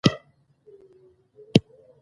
علماء به د تعليم او تعلم پر دندي ګماري،